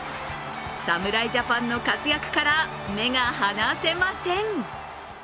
侍ジャパンの活躍から目が離せません。